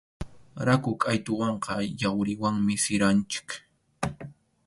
Rakhu qʼaytuwanqa yawriwanmi siranchik.